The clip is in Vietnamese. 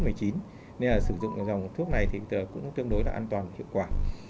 nên là sử dụng dòng thuốc này thì cũng tương đối là an toàn và hiệu quả